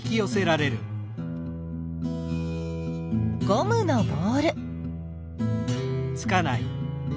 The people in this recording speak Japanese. ゴムのボール。